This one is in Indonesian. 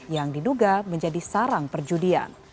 yang diduga menjadi sarang perjudian